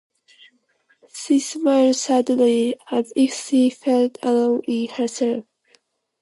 She smiled sadly, as if she felt alone in herself.